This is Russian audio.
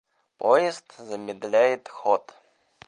Поезд замедляет ход.